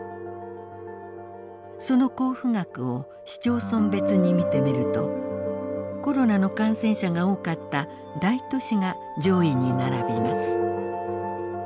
その交付額を市町村別に見てみるとコロナの感染者が多かった大都市が上位に並びます。